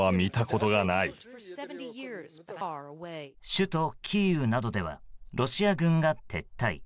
首都キーウなどではロシア軍が撤退。